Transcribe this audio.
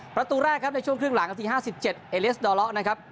ประตูแรกครับในช่วงครึ่งหลังนาที๕๗เอเลสดอเลาะนะครับ